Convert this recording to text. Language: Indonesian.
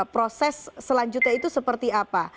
proses selanjutnya itu seperti apa